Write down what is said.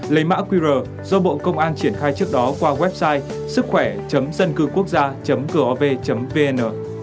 lấy mã qr do bộ công an triển khai trước đó qua website sứckhoẻ dâncưquốc gia gov vn